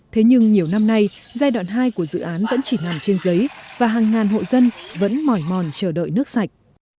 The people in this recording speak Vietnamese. thế nhưng nhiều năm nay giai đoạn hai của dự án vẫn chỉ nằm trên giấy và hàng ngàn hộ dân vẫn mỏi mòn chờ đợi nước sạch